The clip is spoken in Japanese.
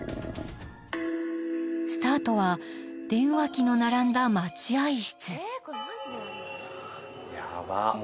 スタートは電話機の並んだ待合室ヤバ